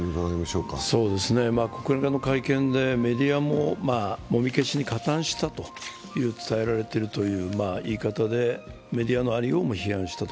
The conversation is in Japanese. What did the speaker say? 国連の会見でメディアももみ消しに加担したと伝えられているという言い方でメディアのありようも批判したと。